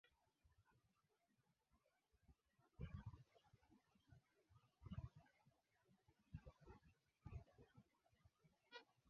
baraka walizopata kwa kipindi chote cha mwaka mzima Sherehe mbalimbali sherehe za wafu maadhimisho